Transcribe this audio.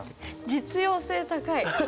実用性高い。